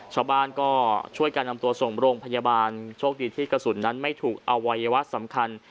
ชาวบ้านก็ช่วยการนำตัวส่งโรงพยาบาลโชคดีที่กระสุนนั้นไม่ถูกอวัยวะสำคัญ